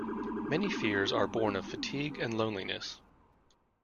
Many fears are born of fatigue and loneliness.